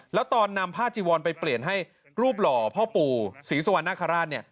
แล้วตอนนำพาดจิวรไปเปลี่ยนให้รูปหล่อพ่อปู่ศรีสวรรค์น่าขราช